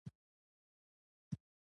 سلګونه زره کسان بندیان او شکنجه شول.